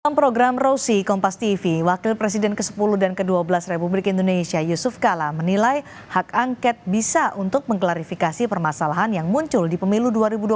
program rosi kompas tv wakil presiden ke sepuluh dan ke dua belas republik indonesia yusuf kala menilai hak angket bisa untuk mengklarifikasi permasalahan yang muncul di pemilu dua ribu dua puluh